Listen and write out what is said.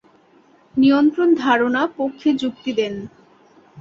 নিয়ন্ত্রণ ধারণা পক্ষে যুক্তি দেন।